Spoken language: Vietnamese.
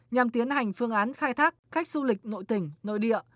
nhằm tiến hành phương án khai thác khách du lịch nội tỉnh nội địa